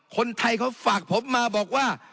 คนไทยเขาฝากผมมาบอกว่า